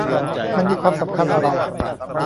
มันมีความสำคัญอะไร ?